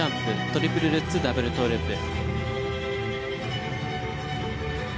トリプルルッツダブルトーループ。